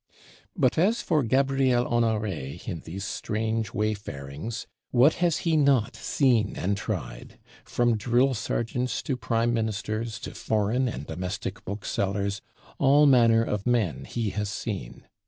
But as for Gabriel Honoré, in these strange wayfarings, what has he not seen and tried! From drill sergeants to prime ministers, to foreign and domestic booksellers, all manner of men he has seen.